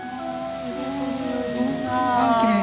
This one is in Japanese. ああきれい。